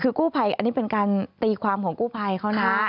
คือกู้ภัยอันนี้เป็นการตีความของกู้ภัยเขานะ